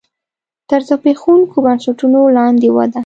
تر زبېښونکو بنسټونو لاندې وده.